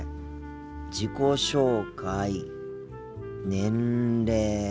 自己紹介年齢。